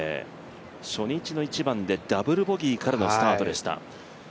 初日の１番でダブルボギーからのスタートでした。